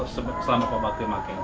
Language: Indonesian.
selama pak bakri memakai